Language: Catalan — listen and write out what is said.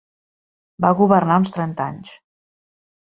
Va governar uns trenta anys.